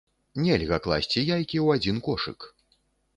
Нельга класці яйкі ў адзін кошык!